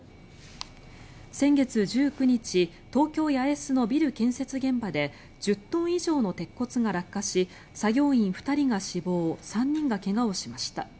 先月１９日東京・八重洲のビル建設現場で１０トン以上の鉄骨が落下し作業員２人が死亡３人が怪我をしました。